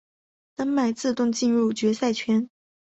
丹麦自动进入决赛圈。